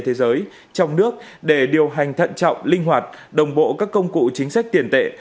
thế giới trong nước để điều hành thận trọng linh hoạt đồng bộ các công cụ chính sách tiền tệ